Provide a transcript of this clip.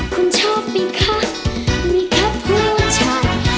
คุณชอบมีค่ะมีค่ะผู้ชาย